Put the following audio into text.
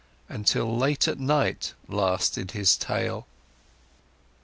Until late at night, lasted his tale.